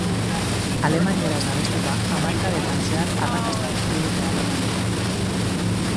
Alemanieraz abestuta, hamarkadetan zehar arrakasta lortu dute Alemanian.